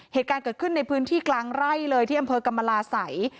เหตุการณ์เกิดขึ้นในพื้นที่กลางไร่เลยที่อำเภอกรรมลาศัย